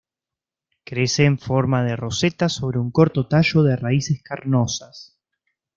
Crece en forma de roseta sobre un corto tallo de raíces carnosas.